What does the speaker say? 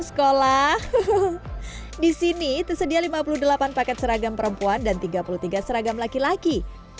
sekolah disini tersedia lima puluh delapan paket seragam perempuan dan tiga puluh tiga seragam laki laki